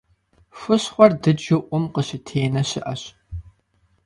Хущхъуэр дыджу Ӏум къыщытенэ щыӏэщ.